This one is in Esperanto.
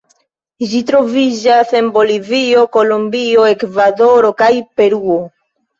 Ĝi troviĝas en Bolivio, Kolombio, Ekvadoro kaj Peruo.